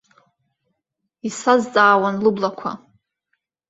Исазҵаауан лыблақәа.